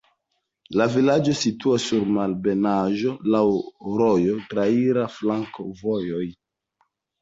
La vilaĝo situas sur malebenaĵo, laŭ rojo, traira flanka vojoj.